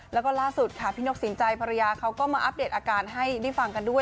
แล้วก็ล่าสุดค่ะพี่นกสินใจภรรยาเขาก็มาอัปเดตอาการให้ได้ฟังกันด้วย